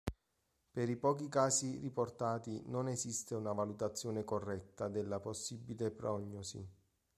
Per i pochi casi riportati non esiste una valutazione corretta della possibile prognosi.